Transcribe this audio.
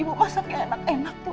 ibu masaknya enak enak tuh